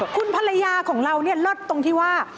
คุณภรรยาของเราเนี่ยเลิศตรงที่ว่า